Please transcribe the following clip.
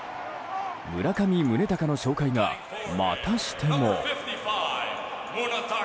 村上宗隆の紹介がまたしても。